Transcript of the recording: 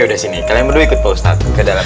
udah sini kalian berdua ikut